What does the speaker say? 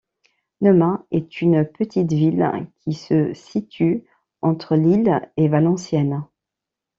Nomain est une petite ville qui se situe entre Lille et Valenciennes.